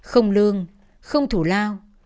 không lương không thủ lao